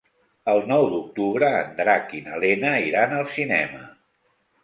El nou d'octubre en Drac i na Lena iran al cinema.